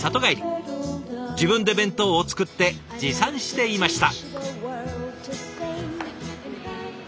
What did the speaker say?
自分で弁当を作って持参していました。